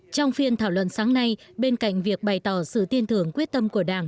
trong phiên thảo luận sáng nay bên cạnh việc bày tỏ sự tiên thưởng quyết tâm của đảng